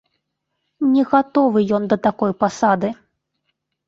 Не гатовы ён да такой пасады.